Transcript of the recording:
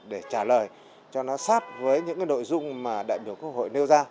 để trả lời cho nó sát với những nội dung mà đại biểu quốc hội nêu ra